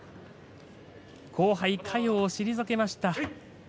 後輩嘉陽を退けました。